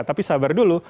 tapi sabar dulu